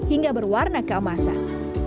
hingga berwarna keemasan